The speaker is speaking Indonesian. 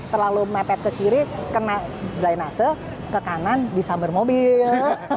terlalu mepet ke kiri kena dry nasa ke kanan disambar mobil